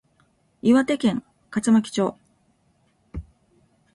岩手県葛巻町